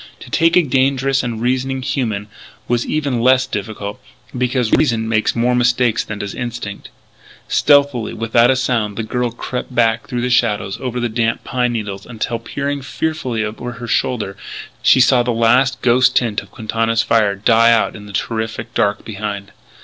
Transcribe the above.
To take a dangerous and reasoning human was even less difficult, because reason makes more mistakes than does instinct. Stealthily, without a sound, the girl crept back through the shadows over the damp pine needles, until, peering fearfully over her shoulder, she saw the last ghost tint of Quintana's fire die out in the terrific dark behind.